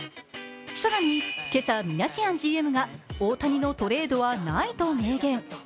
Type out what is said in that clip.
更に今朝、ミナシアンＧＭが大谷のトレードはないと明言。